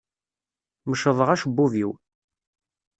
Mecḍeɣ acebbub-iw.